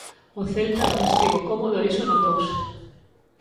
O Celta non estivo cómodo e iso notouse.